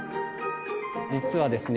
実はですね